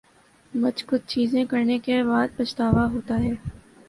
مچھ کچھ چیزیں کرنے کے بعد پچھتاوا ہوتا ہے